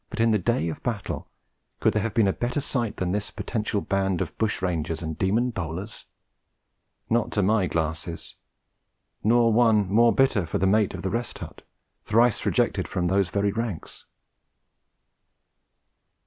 But, in the day of battle, could there have been a better sight than this potential band of bush rangers and demon bowlers? Not to my glasses; nor one more bitter for the mate of the Rest Hut, thrice rejected from those very ranks.